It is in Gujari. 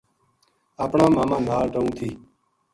اپنا ماما نال رہوں تھی